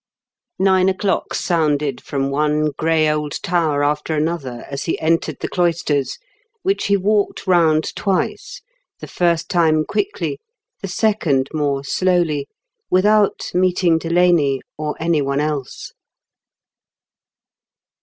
Nine o'clock sounded from one gray old 188 IN KENT WITH CHARLES DICKENS. tower after another as lie entered the cloisters, which he walked round twice, the first time quickly, the second more slowly, without meeting Delaney, or anyone else.